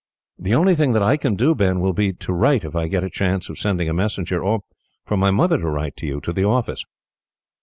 "The only thing that I can do, Ben, will be to write if I get a chance of sending a messenger, or for my mother to write to you, to the office."